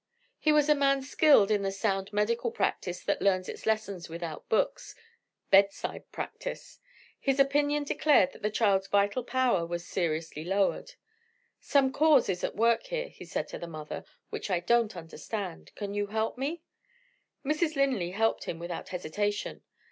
He was a man skilled in the sound medical practice that learns its lessons without books bedside practice. His opinion declared that the child's vital power was seriously lowered. "Some cause is at work here," he said to the mother, "which I don't understand. Can you help me?" Mrs. Linley helped him without hesitation.